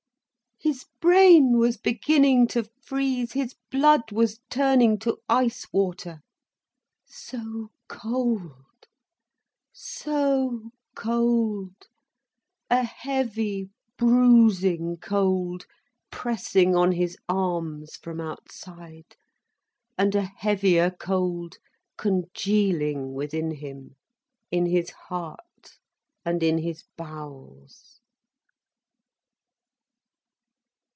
His brain was beginning to freeze, his blood was turning to ice water. So cold, so cold, a heavy, bruising cold pressing on his arms from outside, and a heavier cold congealing within him, in his heart and in his bowels.